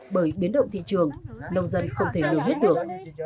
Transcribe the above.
bởi biến động thị trường nông dân không thể lưu hết được